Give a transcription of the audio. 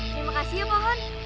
terima kasih ya pohon